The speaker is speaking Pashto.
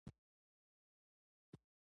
عجيبه د فکر قحط را نازل دی